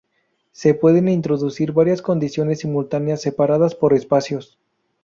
Se pueden introducir varias condiciones simultáneas separadas por espacios.